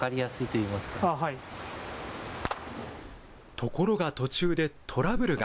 ところが、途中でトラブルが。